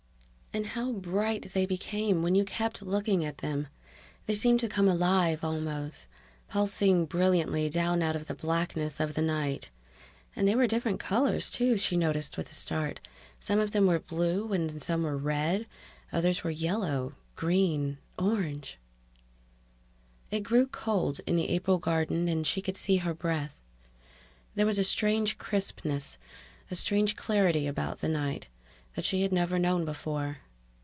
And how bright they became when you kept looking at them! They seemed to come alive, almost, pulsing brilliantly down out of the blackness of the night ... And they were different colors, too, she noticed with a start. Some of them were blue and some were red, others were yellow ... green ... orange ... It grew cold in the April garden and she could see her breath. There was a strange crispness, a strange clarity about the night, that she had never known before